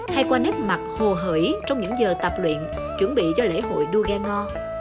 hay qua nếp mặt hồ hởi trong những giờ tập luyện chuẩn bị cho lễ hội đua ga ngo